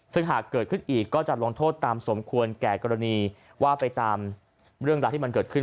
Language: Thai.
ซึ่งหากเกิดขึ้นอีกก็จะลงโทษตามสมควรแก่กรณีว่าไปตามเรื่องราวที่มันเกิดขึ้น